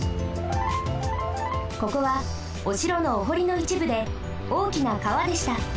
ここはおしろのおほりのいちぶでおおきなかわでした。